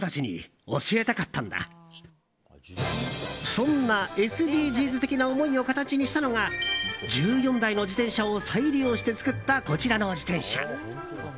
そんなＳＤＧｓ的な思いを形にしたのが１４台の自転車を再利用して作った、こちらの自転車。